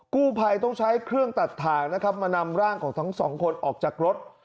กู้ภัยต้องใช้เครื่องตัดถ่างนะครับมานำร่างของทั้งสองคนออกจากรถ